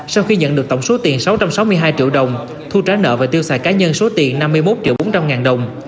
sau khi nhận được tổng số tiền sáu trăm sáu mươi hai triệu đồng thu trả nợ và tiêu xài cá nhân số tiền năm mươi một triệu bốn trăm linh ngàn đồng